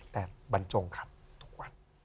แต่บรรจงขับทุกวัน